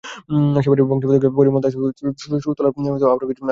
সেবারই বংশীবাদক পরিমল দাস বাঁশিশে সুর তোলার আরও কিছু কৌশল শেখালেন।